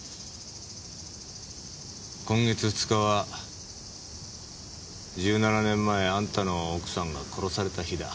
今月２日は１７年前あんたの奥さんが殺された日だ。